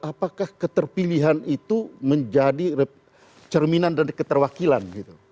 apakah keterpilihan itu menjadi cerminan dari keterwakilan gitu